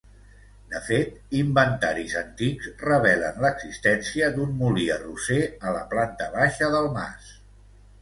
De fet, inventaris antics revelen l’existència d’un molí arrosser a la planta baixa del mas.